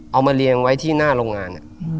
เอามาเรียงไว้ที่หน้าโรงงาน